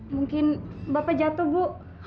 mungkin bapak jatuh bu